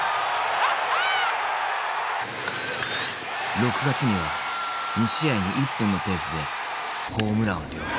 ６月には２試合に１本のペースでホームランを量産。